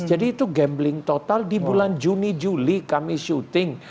jadi itu gambling total di bulan juni juli kami syuting